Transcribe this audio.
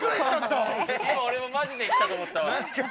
今、俺マジで行ったと思ったわ。